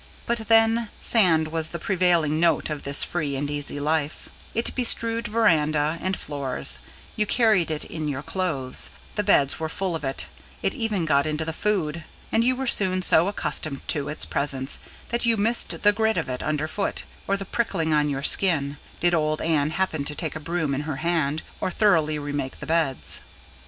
But then, sand was the prevailing note of this free and easy life: it bestrewed verandah and floors; you carried it in your clothes; the beds were full of it; it even got into the food; and you were soon so accustomed to its presence that you missed the grit of it under foot, or the prickling on your skin, did old Anne happen to take a broom in her hand, or thoroughly re make the beds.